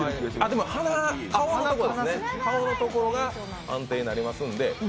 でも鼻、顔のところが判定になりますので。